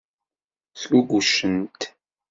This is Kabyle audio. Sgugucent.